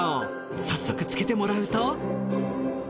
早速つけてもらうと。